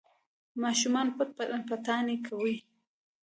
ماشومان پټ پټانې کوي.